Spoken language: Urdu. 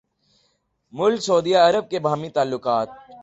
ملک سعودی عرب کے باہمی تعلقات